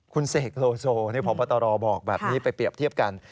คุณเสกโลโซนี่พบตรบอกแบบนี้ไปเปรียบเทียบกัน